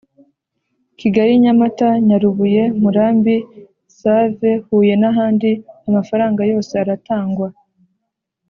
kigali nyamata nyarubuye murambi save huyen ahandi amafaranga yose aratangwa